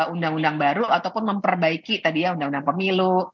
undang undang baru ataupun memperbaiki tadi ya undang undang pemilu